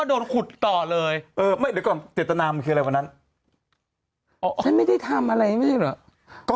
โทรศัพท์ว่าอะไรคนนี้ละที่อะไรนะอ๋อไอ้นิ้วนี่ไงอะไรนิ้วนี่ไงใช่ไหม